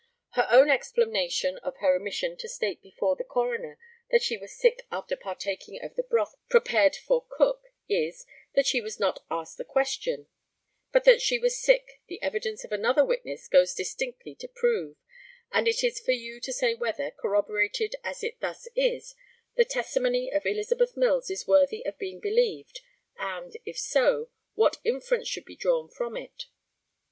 Her own explanation of her omission to state before the coroner that she was sick after partaking of the broth prepared for Cook is, that she was not asked the question: but that she was sick the evidence of another witness goes distinctly to prove; and it is for you to say whether, corroborated as it thus is, the testimony of Elizabeth Mills is worthy of being believed, and, if so, what inference should be drawn from it.